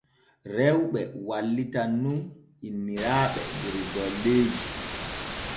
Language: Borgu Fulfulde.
Rewɓe wallitan nun inniraaɓe der golleeji.